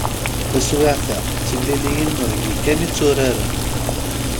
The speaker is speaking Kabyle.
Taswiɛt-a, d timliliyin n uheggi kan i tturaren.